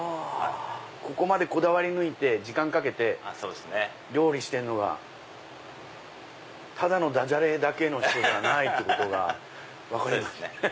ここまでこだわり抜いて時間かけて料理してんのがただの駄じゃれだけの人じゃないってことが分かります。